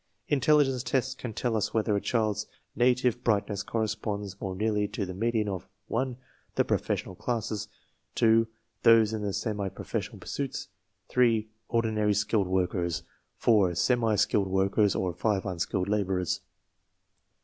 Intelligenc e tests can tell us whether a child's native brightness corresponds more nearly to the median of (1) the professional classes, (2) those in the semi professional pursuits, (3) ordinary skilled workers, (4) semi skilled workers, or (5) unskilled laborers.